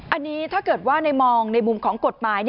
อันนี้ถ้าเกิดว่าในมองในมุมของกฎหมาย